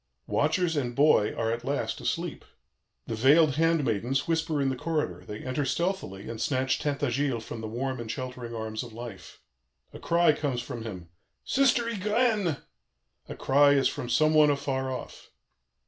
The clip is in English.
"Watchers and boy are at last asleep. The veiled handmaidens whisper in the corridor; they enter stealthily and snatch Tintagiles from the warm and sheltering arms of life. A cry comes from him: 'Sister Ygraine!' a cry as from some one afar off.